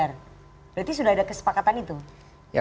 berarti sudah ada kesepakatan itu